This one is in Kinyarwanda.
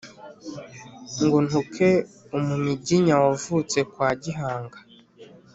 Ngo ntuke Umunyiginya wavutse kwa Gihanga